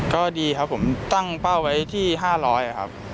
ก็ดีครับผมตั้งเป้าไว้ที่๕๐๐ครับ